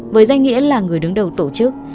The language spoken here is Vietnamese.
với danh nghĩa là người đứng đầu tổ chức